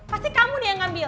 pasti kamu nih yang ngambil